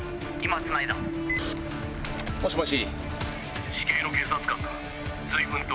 もしもし。